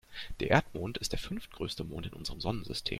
Der Erdmond ist der fünftgrößte Mond in unserem Sonnensystem.